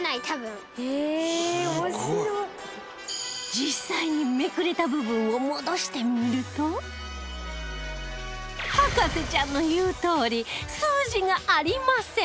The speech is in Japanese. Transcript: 実際に、めくれた部分を戻してみると博士ちゃんの言うとおり数字がありません